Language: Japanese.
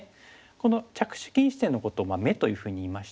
この着手禁止点のことを「眼」というふうにいいまして。